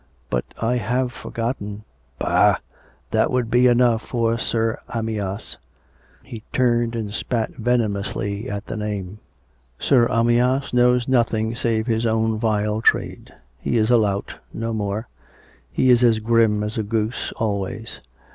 But I have forgotten "" Bah ! that would be enough for Sir Amyas " He turned and spat venomously at the name. " Sir Amyas knows nothing save his own vile trade. He is a lout — no more. He is as grim as a goose, always.